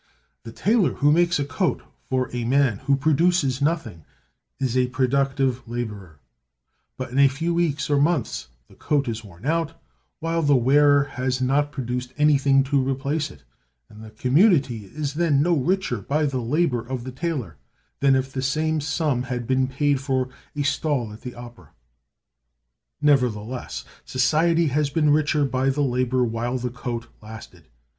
The tailor who makes a coat for a man who produces nothing is a productive laborer; but in a few weeks or months the coat is worn out, while the wearer has not produced anything to replace it, and the community is then no richer by the labor of the tailor than if the same sum had been paid for a stall at the opera. Nevertheless, society has been richer by the labor while the coat lasted.